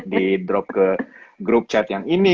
di drop ke grup chat yang ini